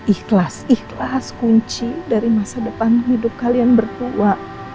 ikhlas ikhlas kunci dari masa depan hidup kalian berdua